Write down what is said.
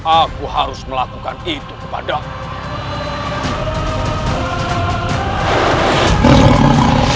aku harus melakukan itu kepadamu